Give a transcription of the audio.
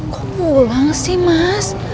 kok pulang sih mas